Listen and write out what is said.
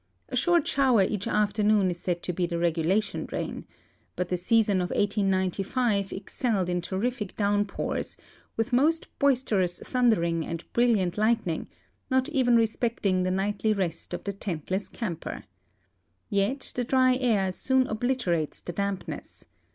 A short shower each afternoon is said to be the regulation rain, but the season of 1895 excelled in terrific downpours, with most boisterous thundering and bril liant lightning, not even respecting the nightly rest of the tentless camper. Yet the dry air soon obliterates the dampness.